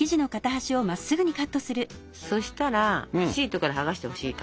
そしたらシートから剥がしてほしいから。